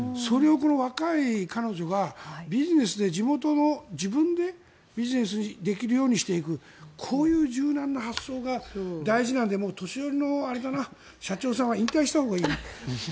それを若い彼女がビジネスで地元の自分でビジネスをできるようにしていくこういう柔軟な発想が大事なので年寄りの社長さんは引退したほうがいいな。